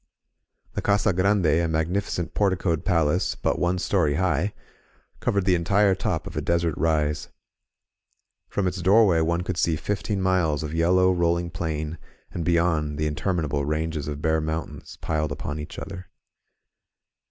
The Casa Grande, a magnificent porticoed palace but one story high, covered the entire top of a desert rise. From its doorway one could see fifteen miles of yellow, rolling plain, and, beyond, the interminable ranges of bare mountains piled upon each other.